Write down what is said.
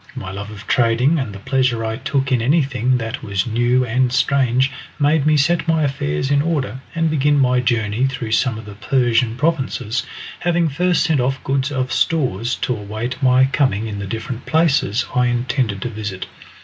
My love of trading, and the pleasure I took in anything that was new and strange, made me set my affairs in order, and begin my journey through some of the Persian provinces, having first sent off stores of goods to await my coming in the different places I intended to visit.